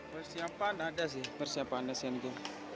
bagaimana perasaan anda dalam buku sejarah ini